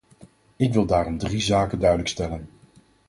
Ik wil daarom drie zaken duidelijk stellen.